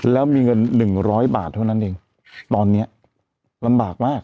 แล้วมีเงิน๑๐๐บาทเท่านั้นเองตอนนี้ลำบากมาก